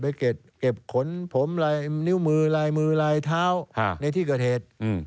เก็บขนผมลายนิ้วมือลายมือลายเท้าในที่เกิดเหตุ